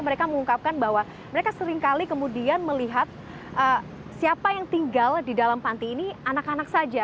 mereka mengungkapkan bahwa mereka seringkali kemudian melihat siapa yang tinggal di dalam panti ini anak anak saja